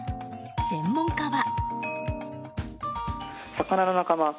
専門家は。